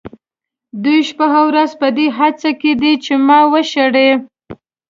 دوی شپه او ورځ په دې هڅه کې دي چې ما وشړي.